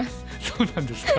そうなんですか。